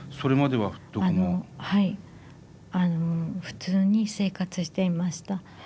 普通に生活していました。